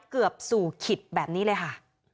เกือบสู่ขิตแบบนี้เลยค่ะ